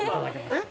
えっ？